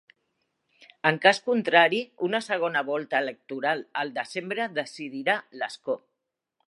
En cas contrari, una segona volta electoral al desembre decidirà l'escó.